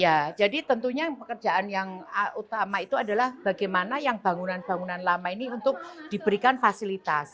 ya jadi tentunya pekerjaan yang utama itu adalah bagaimana yang bangunan bangunan lama ini untuk diberikan fasilitas